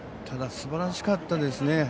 ただ、すばらしかったです。